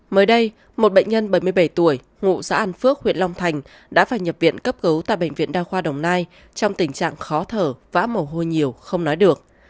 mới đây một bệnh nhân bảy mươi bảy tuổi ngụ xã an phước huyện long thành đã phải nhập viện cấp cứu tại bệnh viện đa khoa đồng nai trong tình trạng khó thở vã mổ hôi nhiều không nói được